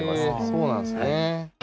そうなんですね。